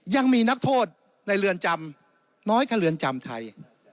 ยังมีนักโทษในเรือนจำน้อยกว่าเรือนจำไทย